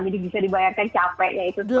bisa dibayarkan capeknya itu